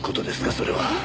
それは。